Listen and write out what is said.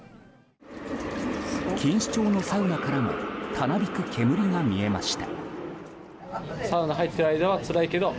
錦糸町のサウナからもたなびく煙が見えました。